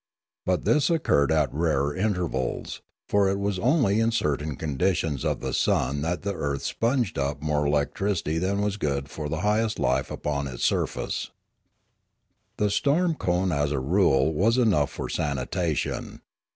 But this occurred at rare intervals, for it was only in certain conditions of the sun that the earth sponged up more electricity than was good for the highest life upon its surface. The storm cone as a rule was enough for sanitation.